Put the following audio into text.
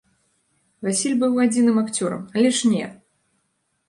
Васіль быў адзіным акцёрам, але ж не!